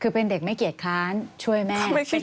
คือเป็นเด็กไม่เกลียดค้านช่วยแม่เขาไม่เกลียด